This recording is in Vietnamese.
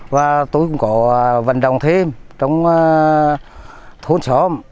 và tôi cũng có vận động thêm trong thôn xóm